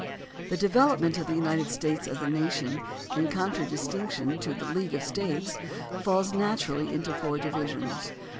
The de velopment of the United States as a nation, in con tradistinction to a league of States, falls naturally into four divisions.